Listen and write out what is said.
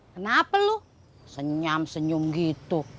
kenapa lu senyam senyum gitu